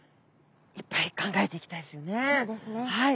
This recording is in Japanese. はい。